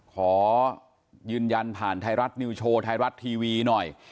ขอยืนยันผ่านไทยรัฐนิวโชว์ไทยรัฐทีวีหน่อย